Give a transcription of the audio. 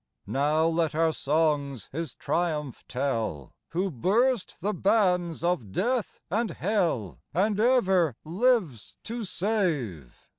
Now let our songs His triumph tell, Who burst the bands of death and hell, And ever lives to save.